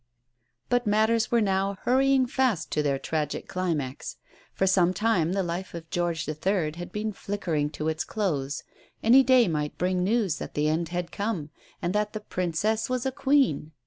But matters were now hurrying fast to their tragic climax. For some time the life of George III. had been flickering to its close. Any day might bring news that the end had come, and that the Princess was a Queen.